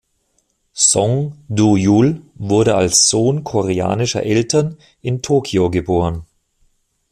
Song Du-yul wurde als Sohn koreanischer Eltern in Tokio geboren.